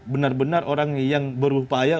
benar benar orang yang berupaya